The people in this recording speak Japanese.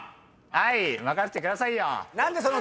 はい任せてくださいよ。